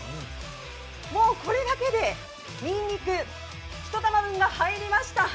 もうこれだけで、にんにく１玉分が入りました。